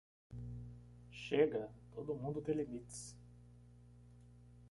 Chega, todo mundo tem limites